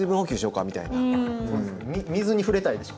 水に触れたいでしょ。